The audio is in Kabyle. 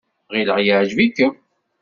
Ɣileɣ yeɛjeb-ikem.